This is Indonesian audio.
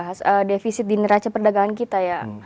nah ini sudah dibahas defisit di neraca perdagangan kita ya